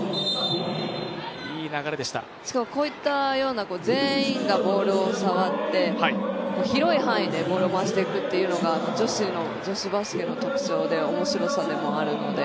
しかも、こういったような全員がボールを触って広い範囲でボールを回していくというのが女子バスケの特徴で面白さでもあるので。